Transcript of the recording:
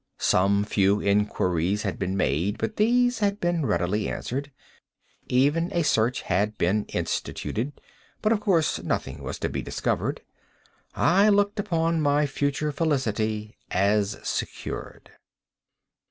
Some few inquiries had been made, but these had been readily answered. Even a search had been instituted—but of course nothing was to be discovered. I looked upon my future felicity as secured.